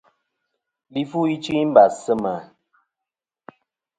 Li fu ichɨ i mbàs sɨ mà.